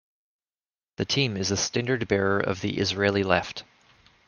The team is the standard-bearer of the Israeli left.